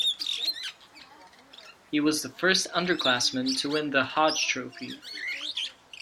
He was the first underclassman to win the Hodge Trophy.